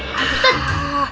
ustadz awas kepentok